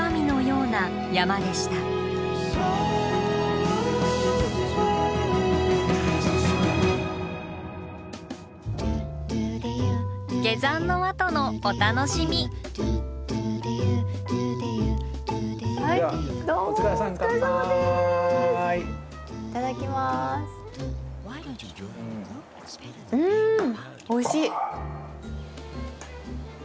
うんおいしい。